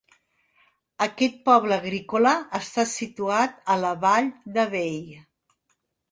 Aquest poble agrícola està situat a la vall de Bey.